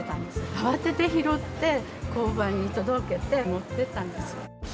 慌てて拾って交番に届けて持っていったんです。